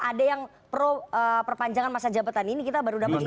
ada yang pro perpanjangan masa jabatan ini kita baru dapat juga